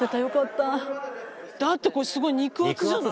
だってこれすごい肉厚じゃない？